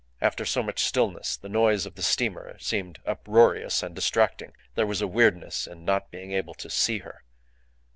After so much stillness the noise of the steamer seemed uproarious and distracting. There was a weirdness in not being able to see her.